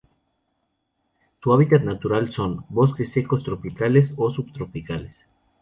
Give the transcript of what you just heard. Su hábitat natural son: Bosques secos tropicales o subtropicales.